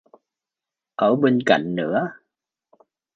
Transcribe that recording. ở bên cạnh nữa